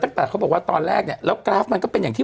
แปลกเขาบอกว่าตอนแรกเนี่ยแล้วกราฟมันก็เป็นอย่างที่